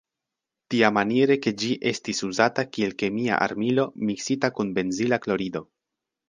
Tiamaniere ke ĝi estis uzata kiel kemia armilo miksita kun benzila klorido.